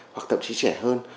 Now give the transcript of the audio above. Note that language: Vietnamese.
hoặc thậm chí trẻ hơn